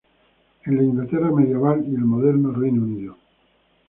En la Inglaterra medieval y el moderno Reino Unido.